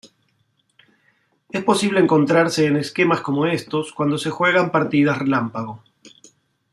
Es posible encontrarse en esquemas como estos cuando se juegan partidas relámpago.